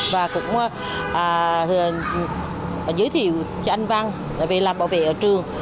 và cũng giới thiệu cho anh văn về làm bảo vệ ở trường